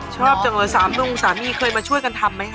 ชอบจังเลยสามลุงสามีเคยมาช่วยกันทำไหมคะ